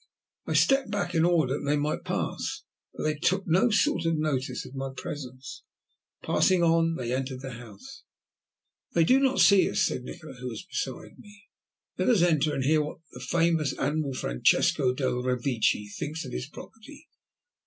I stepped back in order that they might pass, but they took no sort of notice of my presence. Passing on, they entered the house. "They do not see us," said Nikola, who was beside me. "Let us enter and hear what the famous Admiral Francesco del Revecce thinks of his property."